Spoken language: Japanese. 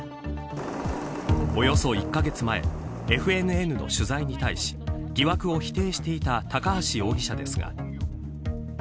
およそ１カ月前ＦＮＮの取材に対し疑惑を否定していた高橋容疑者ですが。